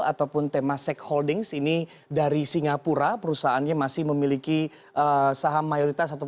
ataupun tema stakeholdings ini dari singapura perusahaannya masih memiliki saham mayoritas